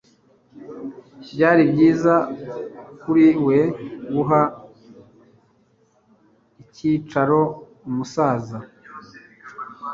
byari byiza kuri we guha icyicaro umusaza